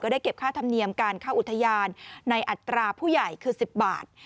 ได้เก็บค่าธรรมเนียมการเข้าอุทยานในอัตราผู้ใหญ่คือ๑๐บาท